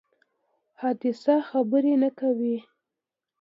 حادثه خبر نه کوي.